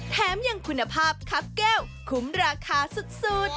แถมยังคุณภาพครับแก้วคุ้มราคาสุด